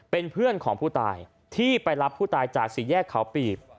เป็นเพื่อนของผู้ตายที่ไปรับผู้ตายจากสี่แยกเขาปีบ